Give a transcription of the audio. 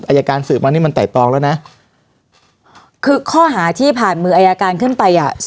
อายการสืบมานี่มันไต่ตองแล้วนะคือข้อหาที่ผ่านมืออายการขึ้นไปอ่ะ